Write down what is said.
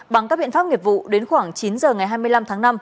bằng các biện pháp nghiệp vụ đến khoảng chín giờ ngày hai mươi năm tháng năm